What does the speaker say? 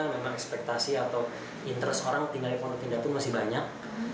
memang ekspektasi atau interest orang tinggal di pondok indah pun masih banyak